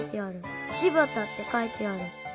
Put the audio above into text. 「芝田」ってかいてある。